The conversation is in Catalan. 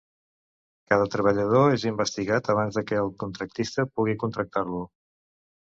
Cada treballador és investigat abans que el contractista pugui contractar-lo.